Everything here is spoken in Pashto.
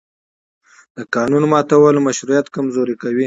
د قانون ماتول مشروعیت کمزوری کوي